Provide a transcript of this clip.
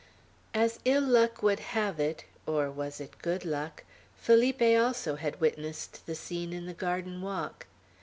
As ill luck would have it, or was it good luck? Felipe also had witnessed the scene in the garden walk.